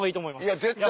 いや絶対。